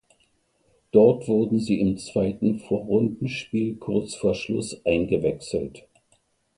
Dort wurde sie im zweiten Vorrundenspiel kurz vor Schluss eingewechselt.